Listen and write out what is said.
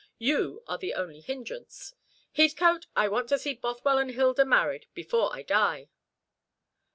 You are the only hindrance. Heathcote, I want to see Bothwell and Hilda married before I die."